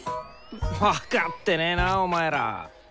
分かってねえなお前ら。